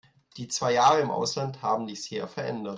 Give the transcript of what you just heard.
Die zwei Jahre im Ausland haben dich sehr verändert.